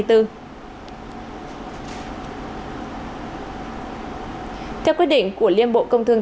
theo quyết định của liên bộ công thương